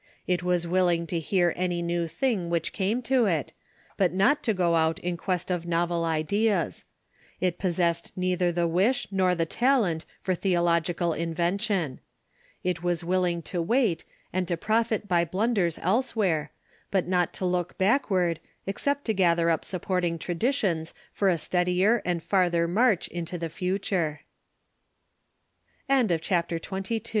It Avas Avilling to hear any new thing which came to it, but not to go out in quest of novel ideas. It possessed neither the wish nor the talent for theo logical invention. It was willing to wait, and to profit by blunders elsewhere, but not to look backward, except to gather up supporting traditions for a steadier and farther ma